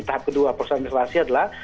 tahap kedua proses administrasi adalah